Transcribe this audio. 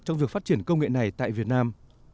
trong việc phát triển công nghệ này tại việt nam